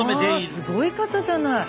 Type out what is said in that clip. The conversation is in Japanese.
わすごい方じゃない。